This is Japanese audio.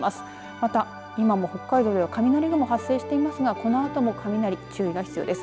また、今も北海道では雷雲、発生していますがこのあとも雷に注意が必要です。